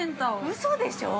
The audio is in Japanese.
◆うそでしょう！